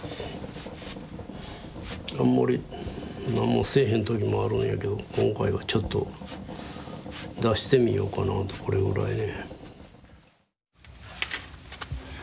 あんまりなんもせえへんときもあるんやけど今回はちょっと出してみようかなとこれぐらいね。